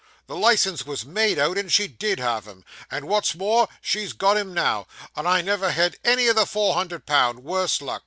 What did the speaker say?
The licence was made out, and she did have him, and what's more she's got him now; and I never had any of the four hundred pound, worse luck.